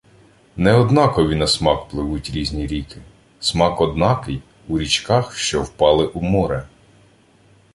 Неоднакові на смак пливуть різні ріки... Смак однакий у річках, що впали у море.